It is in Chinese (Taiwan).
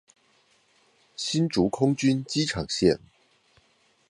新竹空軍機場線